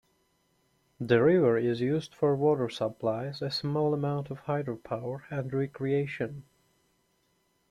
The river is used for water supplies, a small amount of hydropower, and recreation.